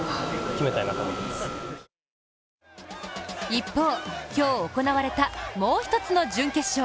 一方、今日行われたもう一つの準決勝。